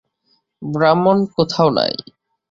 ব্রাহ্মণ কোথাও নাই।